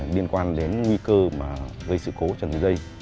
liên quan đến nguy cơ gây sự cố trên đường dây